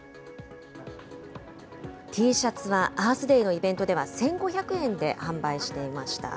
Ｔシャツはアースデイのイベントでは１５００円で販売していました。